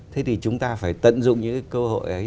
thế thì chúng ta phải tận dụng những cái cơ hội ấy